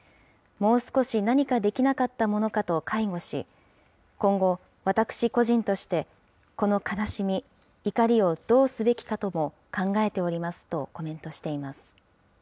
もう少し何かできなかったものかと悔悟し、今後、私個人としてこの悲しみ、怒りをどうすべきかとも考えておりますとコメントしています。